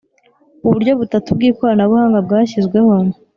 uburyo butatu bw’ikoranabuhanga bwashyizweho